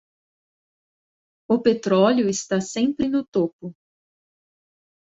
O petróleo está sempre no topo.